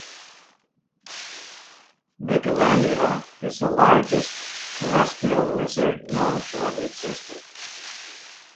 Megalania is the largest terrestrial lizard known to have existed.